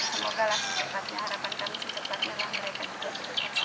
semoga secepatnya harapkan kami secepatnya mereka juga dibebaskan